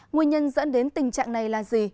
nguyên nhân dẫn đến tình trạng này là gì